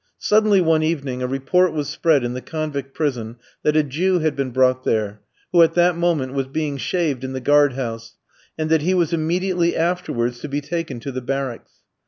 Suddenly one evening a report was spread in the convict prison that a Jew had been brought there, who at that moment was being shaved in the guard house, and that he was immediately afterwards to be taken to the barracks.